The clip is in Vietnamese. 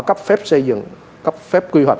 cấp phép xây dựng cấp phép quy hoạch